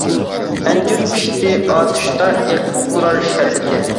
ئەنجۈر پىشتى ئاتۇشتا، ئېقىپ تۇرار شەربىتى.